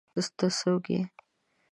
_ته، ته، څوک يې؟